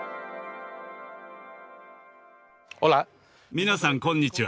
皆さんこんにちは。